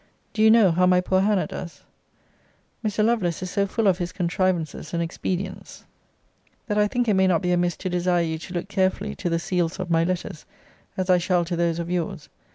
Do you know how my poor Hannah does? Mr. Lovelace is so full of his contrivances and expedients, that I think it may not be amiss to desire you to look carefully to the seals of my letters, as I shall to those of yours.